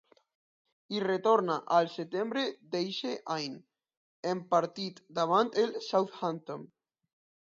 Hi retorna al setembre d'eixe any, en partit davant el Southampton.